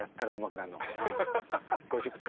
５０回。